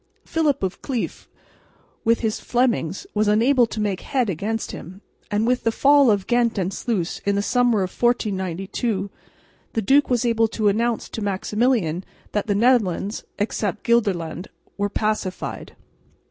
Philip of Cleef with his Flemings was unable to make head against him; and, with the fall of Ghent and Sluis in the summer of 1492, the duke was able to announce to Maximilian that the Netherlands, except Gelderland, were pacified.